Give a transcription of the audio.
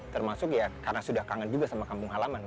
termasuk ya karena sudah kangen juga sama kampung halaman